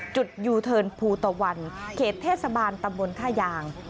ยูเทิร์นภูตะวันเขตเทศบาลตำบลท่ายาง